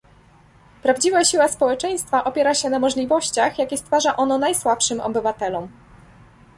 Prawdziwa siła społeczeństwa opiera się na możliwościach, jakie stwarza ono najsłabszym obywatelom